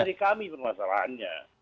dari kami permasalahannya